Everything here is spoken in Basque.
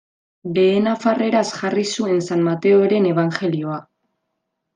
Behe-nafarreraz jarri zuen San Mateoren ebanjelioa.